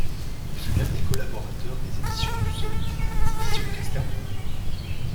Il fut l’un des collaborateurs des Éditions du Seuil et des Éditions Casterman.